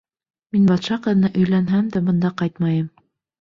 Мин батша ҡыҙына өйләнһәм дә бында ҡайтмайым!